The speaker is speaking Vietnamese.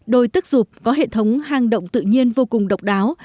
đồi tức dục có hệ thống hang động tự nhiên vô cùng độc đáo